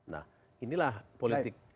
nah inilah politik